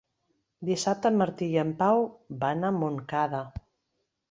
Dissabte en Martí i en Pau van a Montcada.